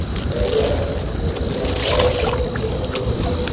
Әйҙә, беҙҙең менән ҡалып тор, йоҡоңдо туйҙыр.